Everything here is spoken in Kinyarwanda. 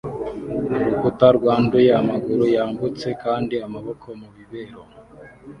urukuta rwanduye amaguru yambutse kandi amaboko mu bibero